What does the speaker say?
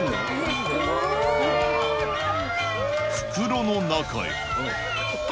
袋の中へ。